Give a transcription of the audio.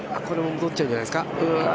これ、戻っちゃうんじゃないですか。